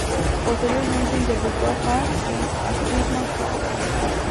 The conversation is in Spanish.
Posteriormente interpretó a Fan en "A Christmas Carol".